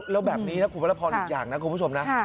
แล้วแบบนี้นะคุณพระพรอีกอย่างนะคุณผู้ชมนะ